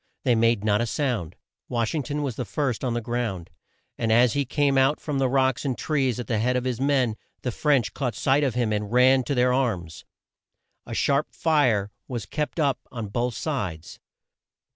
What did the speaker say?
They made not a sound. Wash ing ton was the first on the ground, and as he came out from the rocks and trees at the head of his men, the French caught sight of him and ran to their arms. A sharp fire was kept up on both sides.